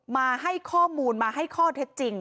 มาให้ข้อมูลมาให้ข้อเท็จจริง